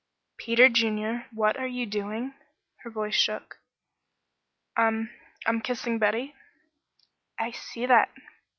"Peter Junior what are you doing?" Her voice shook. "I I'm kissing Betty." "I see that."